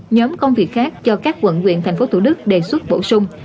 một mươi nhóm công việc khác cho các quận quyện thành phố thủ đức đề xuất bổ sung